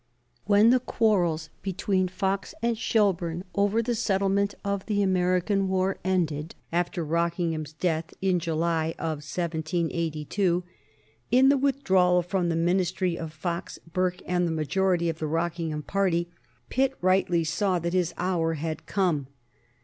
When the quarrels between Fox and Shelburne over the settlement of the American war ended after Rockingham's death in July, 1782, in the withdrawal from the Ministry of Fox, Burke, and the majority of the Rockingham party, Pitt rightly saw that his hour had come.